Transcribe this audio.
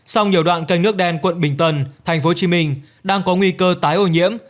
song nhiều đoạn canh nước đen quận bình tân tp hcm đang có nguy cơ tái ô nhiễm